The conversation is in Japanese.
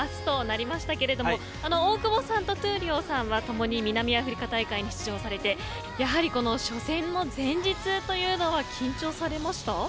いよいよ明日となりましたけれど大久保さんと闘莉王さんは共に南アフリカ大会に出場されて初戦の前日というのは緊張されました。